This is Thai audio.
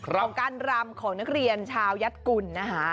ของการรำของนักเรียนชาวยัดกุลนะคะ